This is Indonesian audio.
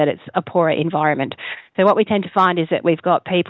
jadi kita selalu menemukan bahwa kita memiliki orang orang